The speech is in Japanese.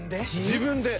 自分で。